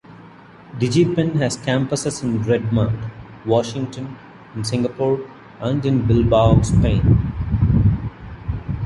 DigiPen has campuses in Redmond, Washington, in Singapore, and in Bilbao, Spain.